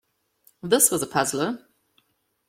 This was a puzzler.